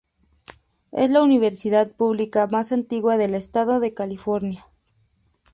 Es la universidad pública más antigua del estado de California.